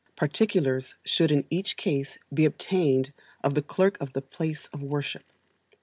Particulars should in each case be obtained of the clerk of the place of worship.